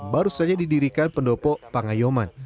baru saja didirikan pendopo pangayoman